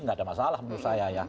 tidak ada masalah menurut saya ya